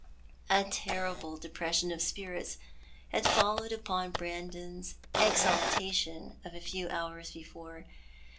A terrible depression of spirits had followed upon Brandon's exaltation of a few hours before.